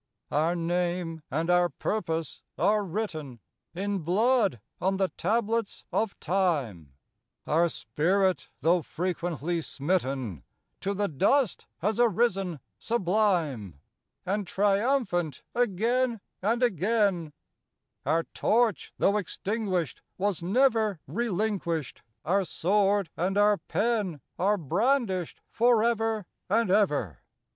66 Our name and our purpose are written In blood on the tablets of Time; Our spirit, though frequently smitten To the dust, has arisen, sublime And triumphant, again and again; Our torch, though extinguished, was never Relinquished; our sword and our pen Are brandished forever and ever.